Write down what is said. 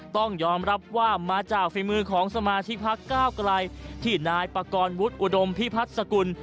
ต้องยอมรับว่ามาจากฝีมือของสมาชิกพักก้าวไกลที่นายปากรวุฒิอุดมพิพัฒน์สกุล